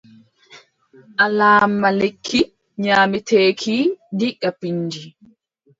Alaama lekki nyaameteeki diga pinndi.